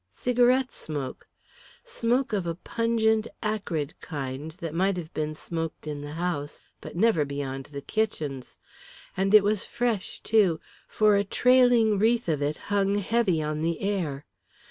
Cigarette smoke. Smoke of a pungent acrid kind that might have been smoked in the house, but never beyond the kitchens. And it was fresh, too, for a trailing wreath of it hung heavy on the air.